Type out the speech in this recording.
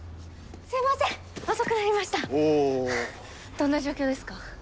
どんな状況ですか？